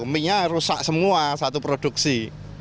mie nya rusak semua satu produksi